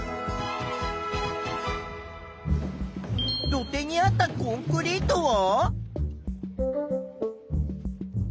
土手にあったコンクリートは？